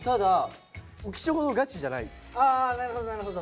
あなるほどなるほど。